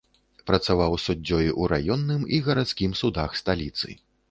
Працаваў суддзёй у раённым і гарадскім судах сталіцы.